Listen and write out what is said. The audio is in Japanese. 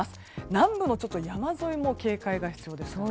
南部の山沿いも警戒が必要ですね。